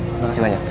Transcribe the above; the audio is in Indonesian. terima kasih banyak